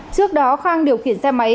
trước đó khang điều khiển xe máy